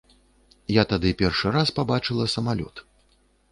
Я тады першы раз пабачыла самалёт.